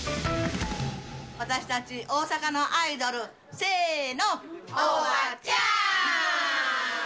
私たち大阪のアイドル、せーの、オバチャーン。